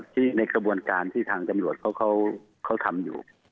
ที่ในกระบวนการที่ทางตำรวจเขาทำอยู่